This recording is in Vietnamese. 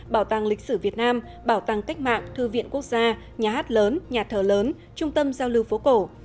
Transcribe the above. bảo tàng lịch sử việt nam bảo tàng cách mạng thư viện quốc gia nhà hát lớn nhà thờ lớn trung tâm giao lưu phố cổ